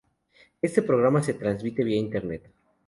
Este programa se transmite vía Internet.